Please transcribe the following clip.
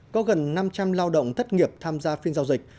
có gần năm trăm linh lao động thất nghiệp tham gia phiên giao dịch